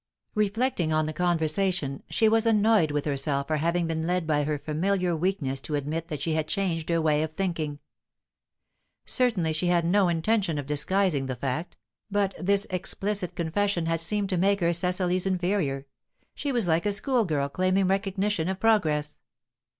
Reflecting on the conversation, she was annoyed with herself for having been led by her familiar weakness to admit that she had changed her way of thinking. Certainly she had no intention of disguising the fact, but this explicit confession had seemed to make her Cecily's inferior; she was like a school girl claiming recognition of progress.